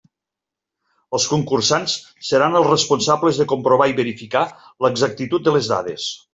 Els concursants seran els responsables de comprovar i verificar l'exactitud de les dades.